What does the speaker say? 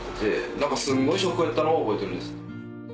何かすんごいショックやったのは覚えてるんです。